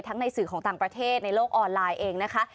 ในสื่อของต่างประเทศในโลกออนไลน์เองนะคะ